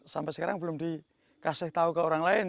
sampai sekarang belum dikasih tahu ke orang lain